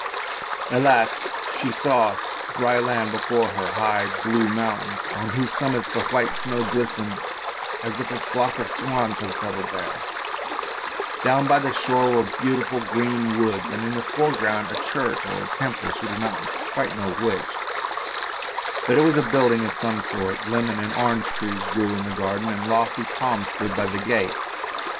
At last she saw dry land before her, high blue mountains on whose summits the white snow glistened as if a flock of swans had settled there; down by the shore were beautiful green woods, and in the foreground a church or temple, she did not quite know which, but it was a building of some sort. Lemon and orange trees grew in the garden and lofty palms stood by the gate.